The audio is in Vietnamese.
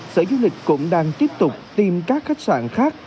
sở du lịch cũng đang tiếp tục tìm các khách sạn khác